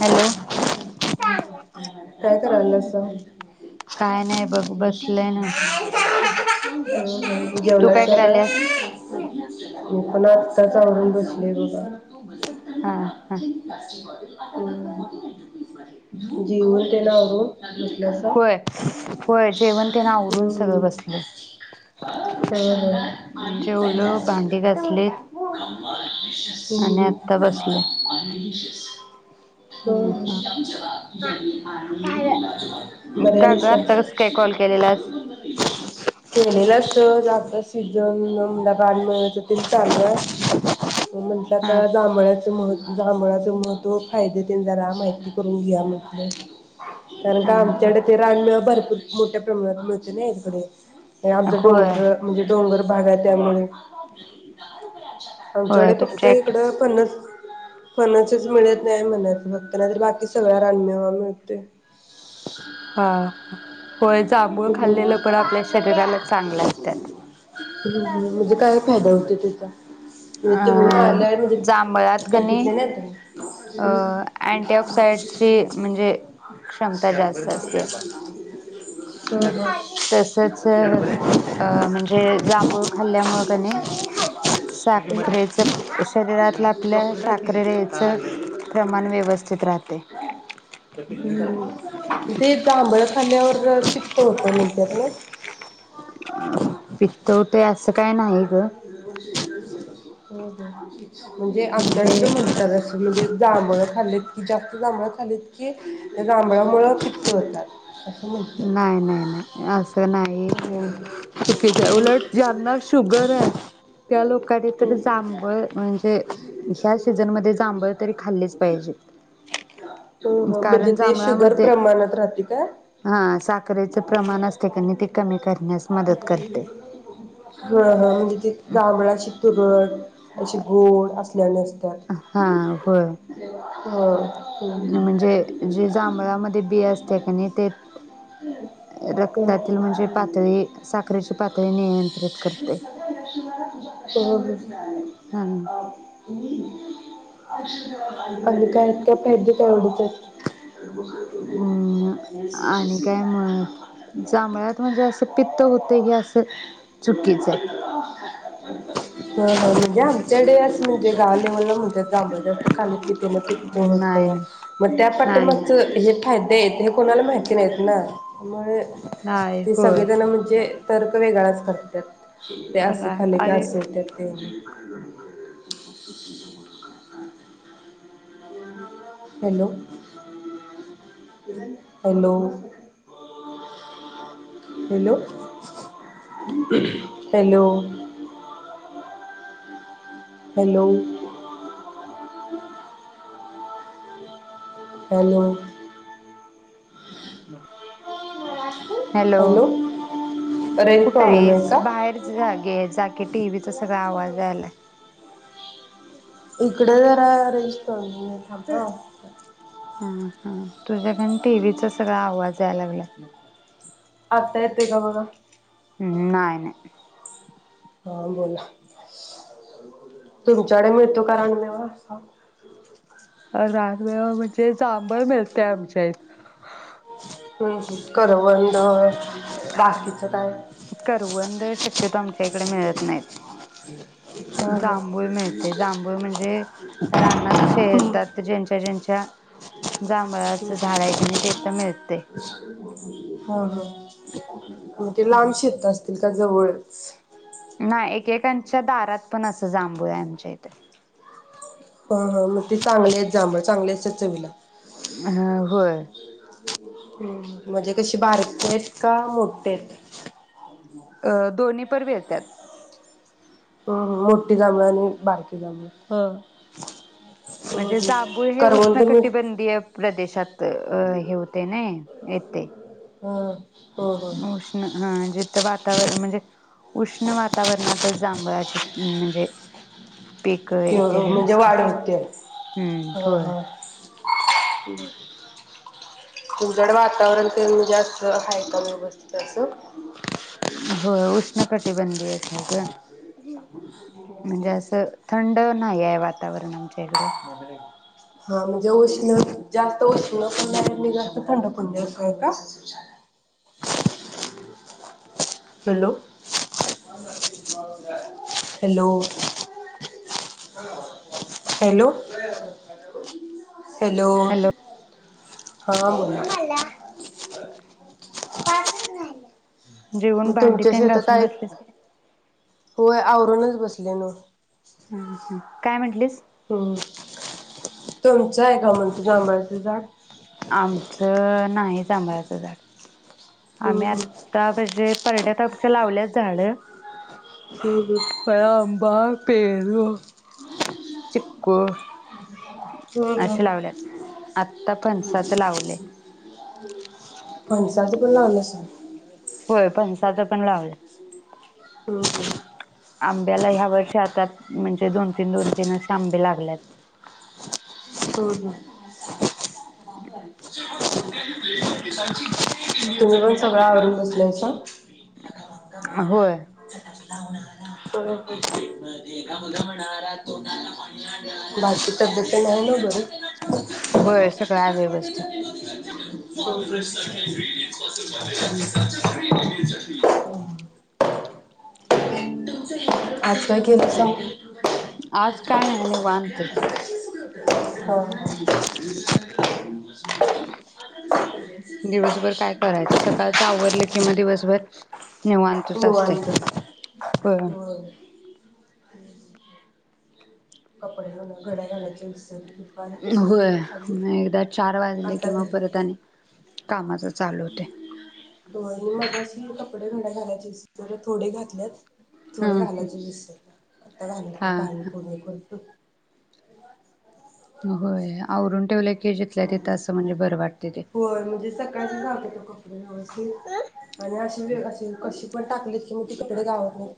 Hello काय करायल अस काय नाही बघ बसलय ना तू जेवल अस काय का करायल्यास पुणा आताच आवरून बसले मी हा हा [unintelligible] जोवी ते लाडो होय होय जेवण तेन आवरून सगळं बसलोय जेवलो भांडी घासलीत आणि आत्ता बसलोय [unintelligible] [unintelligible] [unintelligible] केलेलंच हम्म हम्म का ग आत्ता कसं काय कॉल केलेलास आता सीजन म्हण बाडमळायचं तेरी चाललं म्हटलं आता हा जांभळ्याचं मह जांभळात मग तो फायदेतील जरा माहिती करून घ्या म्हटल कारण हा का हा आमच्याकडे ते रान भर मोठ्या प्रमाणात मिळत ना इकडे हे आमचा होय डोंगर म्हणजे डोंगर भाग आहे त्यामुळे होय आमच्याकडे फक्त तुमच्या इकडे इकड पन्नास पणच तेच म्हणत नाय म्हणत फक्ताना तर बाकी सगळ रानमेवा मिळते. हा होय जांभूळ हम्म खाल्लेलं पण आपल्या शरीराला चांगल असतात हम्म म्हणजे काय फायदा होतो त्याचा म्हणजे तुम्ही अं मला म्हणजे जांभळात का नय बघितले ना अ तुम्ही अँटी ऑक्साइडची म्हणजे क्षमता जास्त असते. [inaudible] ह तसच अ म्हणजे जांभूळ खाल्ल्यामुळे का नय साखरेच शरीरातलं आपल्या साखरेेच प्रमाण व्यवस्थित राहते. हम्म ते जांभळ खाल्ल्यावर पित्त होतं म्हणत्यात ना पित्त होते असं काय नाही [unintelligible] [unintelligible] ग म्हणजे म्हणजे आमच्याकडे म्हणतात म्हणजे जांभळं खाल्लं की जास्त जांभळ खाल्लं की जांभळामूळ पित्त होतात. असं म्हणतात नाही-नाही-नाही असं नाही हम्म चुकीचं आहे उलट ज्यांनला शुगर आहे त्या लोकांनी तर जांभळ म्हणजे ह्या सीझनमध्ये जांभळ तरी खाल्लीच पाहिजे. हो-हो म्हणजे कारण ते शुगर जांभळामध्ये प्रमाणात राहते काय? हा साखरेचं प्रमाण असते कणी ते कमी करण्यास मदत करते. [unintelligible] होय-होय जांभळ अशी तुरट अशी गोड असल्या ज्ञानेश स्टार हा होय हो. म्हणजे, जे जांभळामध्ये बी असते कनी ते ह. रक्तातील म्हणजे, पातळी साखरेची पातळी नियंत्रित करते. [unintelligible] [inaudible] आणि हा काय काय पाहिजे तेवढच हम्म आणि [unintelligible] काय मग जांभळात म्हणजे, असं पित्त होत हे असं चुकीच आहे. [inaudible] [unintelligible] म्हणजे, गालेवला म्हणतात जांभळा जास्त खाल्ली की तेन पित्त नाही होतं. नाही त्या नाही पाठीमागचं हे फायद्ये हे, कोणाला माहिती नाही ना मुळे नाही ते होय. सगळेजण म्हणजे तर्क वेगळाच करतात. त्या असं खाल्ले की अरे असं होत्यात ते. [unintelligible] Hello hello hello hello. Hello. Hello. Hello, range कुठे प्रॉब्लेम आहे आहेस का? बाहेर जागे जागे टीव्हीचा सगळा आवाज राहिलाय. इकडे जरा रेंज प्रॉब्लेम आहे [unintelligible] थांबा. हम्म हम्म, तुझ्याकन टीव्हीचा सगळा आवाज याय लागला [inaudible] आता येते का बघा? हम्म, नाय नाय. हा, बोला तुमच्याकडे मिळतो का रानमेवा? रानमेवा म्हणजे, जांभळ मिळते आमच्या इथं. हम्म हम करवंद. हा, बाकीचं काय करवनंद शक्यतो आमच्या इकडे मिळत नाहीत. हा हा जांभूळ मिळते. जांभूळ म्हणजे, रानात शेतात ज्यांच्या ज्यांच्या हो जांभळाचं झाड आहे कणी तिथं मिळते. हो. [unintelligible] म्हणजे लांब शेतं अस त का जवळच. नाही एकेकांच्या दारात पण अस जांभूळाय आमच्या इथ. हा हा मग ते चांगले आहेत जांभळ चांगले [unintelligible] चवीला. हा होय. हम्म म्हणजे कशी बारकीयत का मोठीयत? [unintelligible] प [unintelligible] येत्यात. हम मोठी जांभळ आणि बारकी जांभळ ह हम्म म्हणजे जांभूळ हम्म हे, उष्ण करवंद मी कटबंधीय प्रदेशात अ हे होते ना येते. हं उष्ण हा जिथं वातावर म्हणजे उष्ण वातावरणातच जांभळाची म्हणजे पीक [unintelligible] येते म्हणजे व्यवस्थित वाढ व्हतीया. हम्म हा होय हा [inaudible] तुमच्याकडे वातावरण तेन जास्त हाय का व्यवस्थित असं? होय उष्ण कटिबंदीयच हाय ग. [unintelligible] म्हणजे असं थंड नाहीयेय वात [unintelligible] [inaudible] हा म्हणजे उष्ण जा उष्ण पण नाही आणि जास्त थंड पण नाही [unintelligible] हॅलो, [unintelligible] हॅलो, [unintelligible] हॅलो [unintelligible] हॅलो, हा बोला. पाचच [unintelligible] जेवून मग तुमच्या भांडीतेन शेतात घासून आहे बसलेस काय? होय, आवरूनच बसले न. हा हा हा, काय म्हंटलीस? तुमचंय का मग ती जांभळाच झाड? जांभळाच झाड हम्म आमी हम्म आत्ता [unintelligible] परड्यात आमच्या लावल्यात झाडं. हम्म [unintelligible] अंबा पेरु चिकू हम्म हम्म असे हम्म लावल्यात, आत्ता फणसाचं लवलंय. फणसाच पण लावलयस? व्हय फणसाच पण लावलेत. हम्म हम्म. आंब्याला ह्या वर्षी आता म्हणजे दोन-तीन, दोन-तीन असे आंबे लागल्यात. हम्म हम्म, मग सगळ आवरून बसलायसा. होय. मग आणखी तब्बेत तेन हाय नव्ह. हो [unintelligible] व्हय सगळ हाय व्यवस्थित. [inaudible] हम्म [inaudible] आजकाय केकच हाय. आज काय नाय? निवांतच. हो हो. दिवसभर काय करायचं? सकाळच आवरलं की, म दिवसभर निवांतच असतय. होय व्हय. हुं. कपडे धून घडया घालायची विसरली बाई. व्हय म एकदा चार वाजले की, आता म परत घरी आणि कामाचं चालू व्हतंय. होय मी मगाशी कपडे उन्हात घालायचीस, थोडी थोडे घातल्यात. थोडे हम्म हम्म घालायचीच विसरलं, आता घालतो हा पाणी पूर्ण होई पण [unintelligible] होय आवरून ठेवले व्हय मंजी, सकाळची गावत्यात ओ कपडे व्यवस्थित आणि अशी वेग कशिपण टाकली की, म ती कपडे घावत नाहीत.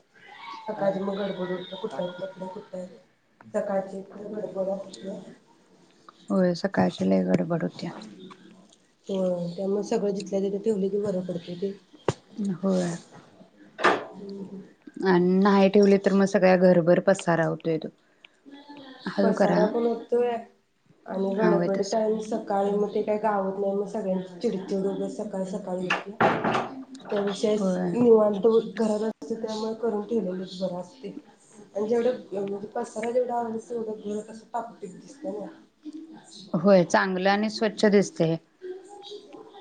सकाळची म गडबड होते. कुठंयत कपडे कुठंयत सकाळची खूप गडबड असतीया. होय सकाळची लय गडबड होतीया व्हय त्यामुळं सगळ जिथल्या तिथं ठेवल की, बर पडतंय ते. होय, आणि नाही ठेवले तर मग सगळ्या घरभर पसारा होतोय, तो. हळू करा पसारा पण होतोय, आणि हा होय गडबड तसं टाईम सकाळी म ते काही गावत नाही, मग सगळ्यांची चिडचिड उगाच सकाळी सकाळी उठूया त्या दिवशी होय विषय निवांत घरात असते त्यामुळे, करून ठेवलेलंच बर असते आणि जेवढ अ पसारा जेवढा आवरून तेवढा घर कसं टापटीप दिसतय. होय चांगलं आणि स्वच्छ दिसतंय.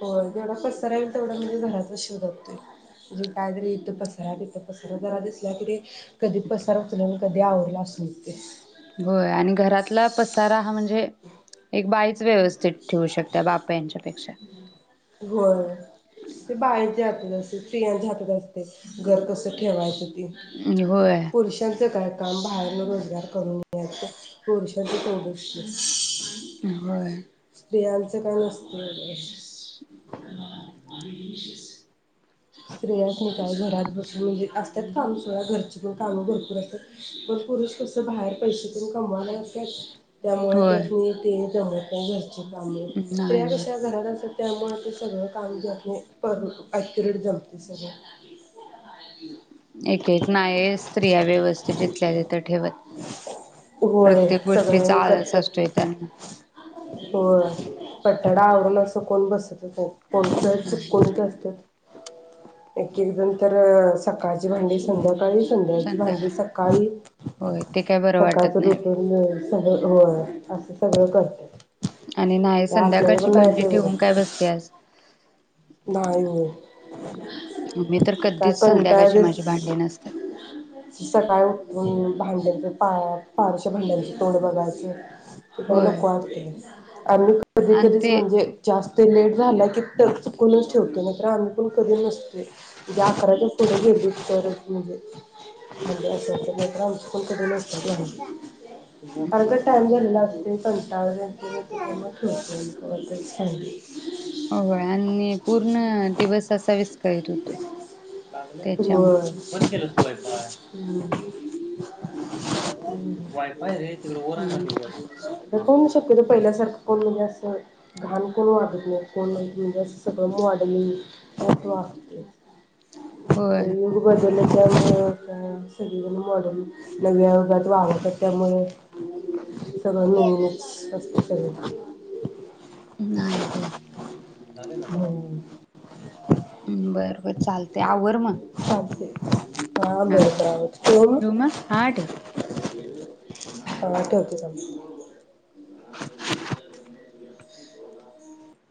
होय जेवढा पसरा होईल तेवढा म्हणजे घरातच शो जातोय म्हणजे काय तरी येथे पसारातेथे पसरा जरा दिसला कि ते कधी पसार उचलन कधी आवरल अस. ठीवते होय आणि घरातला पसारा हा म्हणजे. एक बाईच व्यवस्थित ठेवू शकते बाप्याच्या पेक्षा. खरं स्त्रियांच्या हातात असते घर कस ठेवायचं. होय पुरुषांच काय. काम बाहेरून रोजगार करून नेण्यातचं पुरुषांचे ठेवढंच कि. होय काय नसतय [unintelligible] स्त्रियांसनी काय घरात बसून म्हणजे असत्यात काम सोडा घरची पण काम भरपूर असतात पण पुरुष कस बाहेर पैसे तेन कमवत असत्यात. त्यामुळे होय त्यासनि ते. [unintelligible] नाही स्त्रिया होय कशा घरात असतात. त्यामुळे ते सगळं काम करून पण ‍‍ॲक्युरेट झालते सगळं एकेक नाय स्त्रिया व्यवस्थित जिथल्या तथ ठेवत, होय प्रत्येक सगळं गोष्टीचा हे आळस असतोय करत्यात त्यांना. पटापटा आवरून असं कोण बसल हो कोण तर नाही चुकून करत्यात. एक एक जण तर सकाळची भांडी संध्याकाळी. संध्याची भांडी संध्याकाळी सकाळी, होय ते काय बरं सकाळच वाटत नाही रोटून. सगळ हो, असं सगळं करत्यात. आणि नाही संध्याकाळची भांडी ठेवून काय बसत्यास. नाय हो मी तर काय कधीच संध्याकाळची कंटाळलीस. माझी भांडी नसतात सकाळी उठून भांड्याचे पा पारुशा भांड्यांच तोंड बघायचं. ते होय नको वाटतंय बाई आम्ही आणि कधीतरीच ते म्हणजे जास्त. ते लेट झालं की तर चुकूनच ठेवतो नाइतर आम्ही पण कधी नसतो. उद्या आकरा पुढे गेलीत तरच [inaudible] आम्ही पण कधी नसतो ठेवत आम्ही पण टाइम झालेला असतो कंटाळा येतोय मग तेच्या मुळे ठेवतोय. ह [unintelligible] [unintelligible] हो आणि पूर्ण दिवस असा विस्कळीत होतोय होय. त्याच्यामुळे स्वैपा हम् [unintelligible] वाय फाय रे वर हायना आता तीकळ कोण शक्यतो पहिल्यासारखं कोण म्हणजे असं घण कोण वागत नाही कोण म्हणजे असं सगळं मॉडेलिंग [unintelligible] वाढलीत वाहते होय तेग बजल [unintelligible] च [unintelligible] सगळेजण मॉडेलिंग नव्या युगात वावळत. त्यामुळे. सगळं कोला नवीनच असतं जात सगळं नाही बर हो बर बर चालतय आवर मंग हा बरो [unintelligible] आव ठेवू मग हा ठेव मग हा ठेवते मग.